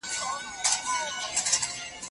نیوکلاسیک عالمان جلا لیدلوری لري.